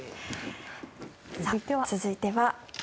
続いては。